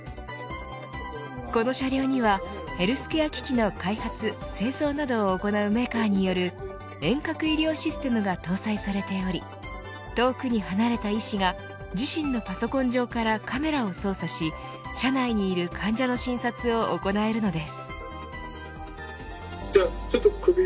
この車両にはヘルスケア機器の開発製造などを行うメーカーによる遠隔医療システムが搭載されており遠くに離れた医師が自身のパソコン上からカメラを操作し車内にいる患者の診察を行えるのです。